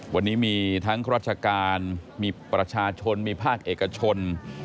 วันนี้มีทั้งราชการมีประชาชนมีภาคเอกชน